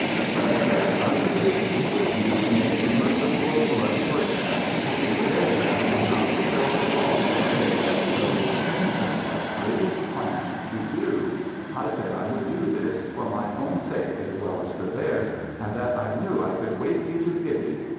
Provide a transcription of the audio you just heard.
But I said I would intercede with you to make you merciful of heart toward them, to spare them and not to tell the law what they had so sinsomely planned to do I said I would do this, for mine own sake as well as for theirs, and that I knew I could wake you to pity.